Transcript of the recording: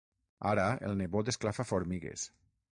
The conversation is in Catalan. Ara el nebot esclafa formigues.